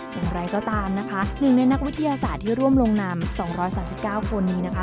อย่างไรก็ตามนะคะหนึ่งในนักวิทยาศาสตร์ที่ร่วมลงนาม๒๓๙คนนี้นะคะ